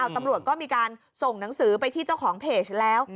ตำรวจก็มีการส่งหนังสือไปที่เจ้าของเพจแล้ว